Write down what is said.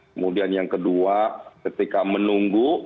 kemudian yang kedua ketika menunggu